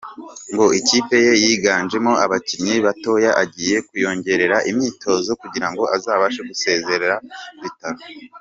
Ngo ikipe ye yiganjemo abakinnyi batoya agiye kuyongerera imyitozo kugirango azabashe gusezerera Vital’o.